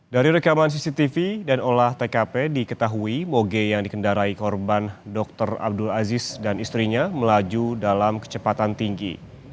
dari rekaman cctv dan olah tkp diketahui moge yang dikendarai korban dr abdul aziz dan istrinya melaju dalam kecepatan tinggi